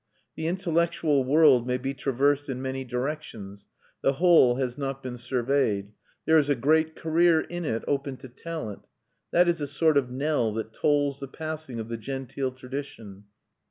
The intellectual world may be traversed in many directions; the whole has not been surveyed; there is a great career in it open to talent. That is a sort of knell, that tolls the passing of the genteel tradition.